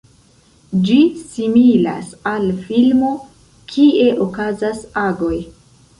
Ĝi similas al filmo, kie okazas agoj.